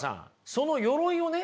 その鎧をね